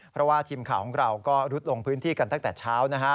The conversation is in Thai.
เพราะว่าทีมข่าวของเราก็รุดลงพื้นที่กันตั้งแต่เช้านะฮะ